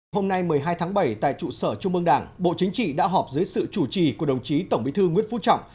hôm nay một mươi hai tháng bảy tại trụ sở trung mương đảng bộ chính trị đã họp dưới sự chủ trì của đồng chí tổng bí thư nguyễn phú trọng